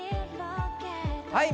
はい。